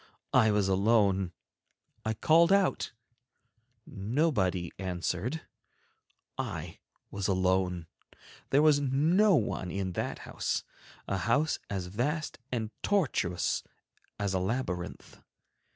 I was alone; I called out, nobody answered, I was alone; there was no one in that house—a house as vast and tortuous as a labyrinth.